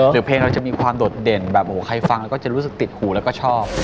เดี๋ยวเพลงเราจะมีความโดดเด่นแบบโอ้โหใครฟังแล้วก็จะรู้สึกติดหูแล้วก็ชอบ